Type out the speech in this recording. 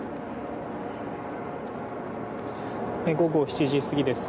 午後７時過ぎです。